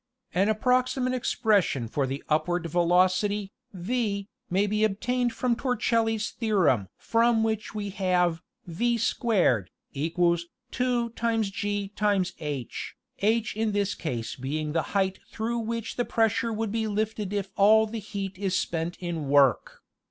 An approximate expression for the upward velocity V may be obtained from Torrecelli's theorem from which we have V'=2gh, h in this case being being the height through which the pressure would be lifted if all the heat is spent in work.